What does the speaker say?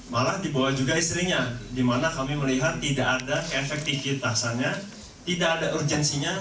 malah dibawa juga istrinya di mana kami melihat tidak ada efektivitasannya tidak ada urgensinya